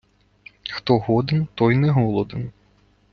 Хто годен, той не голоден.